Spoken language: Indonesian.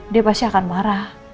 dia pasti akan marah